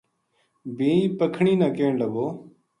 بھی پکھنی نا کہن لگو